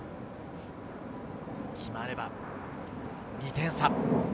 決まれば２点差。